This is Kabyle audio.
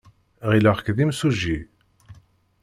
Ɣileɣ-k d imsujji.